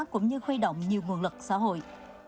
cũng như khuy động nhiều nguồn lực xã hội